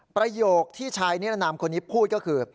ประโยคที่ชายนิรนามคนนี้พูดก็คือ